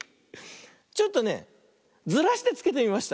ちょっとねずらしてつけてみました。